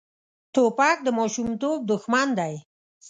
توپک د ماشومتوب دښمن دی.